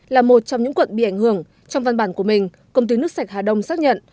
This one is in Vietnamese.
là một trong những quận bị ảnh hưởng trong văn bản của mình công ty nước sạch hà đông xác nhận